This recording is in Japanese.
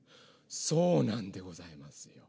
そうなんでございます。